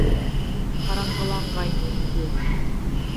Ҡараңғыланғайны инде.